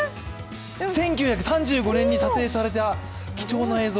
１９３５年に撮影された貴重な映像。